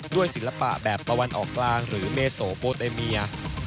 ศิลปะแบบตะวันออกกลางหรือเมโสโปเตเมีย